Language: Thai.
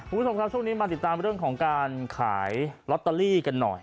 คุณผู้ชมครับช่วงนี้มาติดตามเรื่องของการขายลอตเตอรี่กันหน่อย